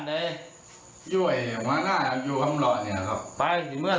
อยู่ไหนมาหน้าอยู่คำลอดเนี่ยครับไปอยู่เมื่อทรง